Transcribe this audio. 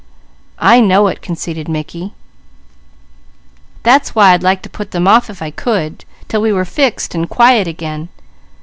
"I know it," conceded Mickey. "That's why I'd put them off if I could, 'til we were fixed and quiet again.